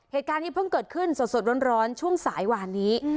เหตุการณ์นี้เพิ่งเกิดขึ้นสดร้อนช่วงสายวานนี้